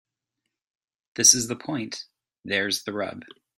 This is the point. There's the rub.